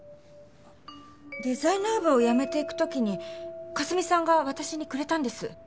デザイナー部を辞めていく時に佳澄さんが私にくれたんです。